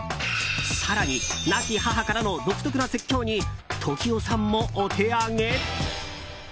更に亡き母からの独特な説教に時生さんもお手上げ？